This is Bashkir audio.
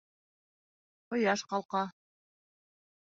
Ҡояш ҡалҡа